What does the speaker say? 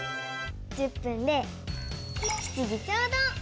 １０分で７時ちょうど！